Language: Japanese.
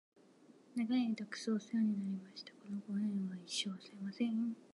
長い間クソおせわになりました！！！このご恩は一生、忘れません！！